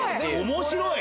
面白い！